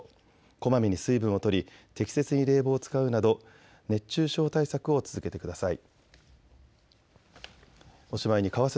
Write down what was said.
こまめに水分をとり適切に冷房を使うなど熱中症対策を続けてください。